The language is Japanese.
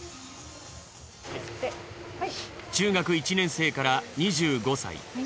中学１年生から２５歳。